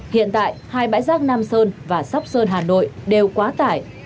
hiện tại hai bãi rác nam sơn và sóc sơn hà nội đều quá tải